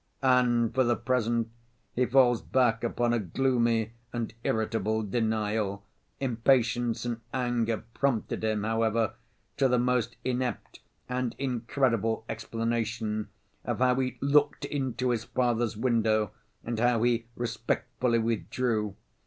And for the present he falls back upon a gloomy and irritable denial. Impatience and anger prompted him, however, to the most inept and incredible explanation of how he looked into his father's window and how he respectfully withdrew.